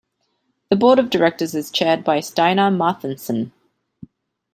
The board of directors is chaired by Steinar Marthinsen.